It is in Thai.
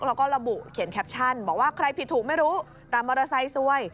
แล้วก็ระบุเขียนแคปชั่นบอกว่าใครผิดถูกไม่รู้แต่มอเตอร์ไซค์ซวย